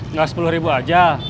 nggak sepuluh ribu aja